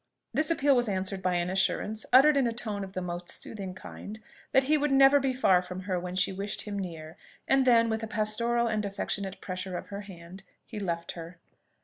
This appeal was answered by an assurance, uttered in a tone of the most soothing kindness, that he would never be far from her when she wished him near; and then, with a pastoral and affectionate pressure of her hand, he left her.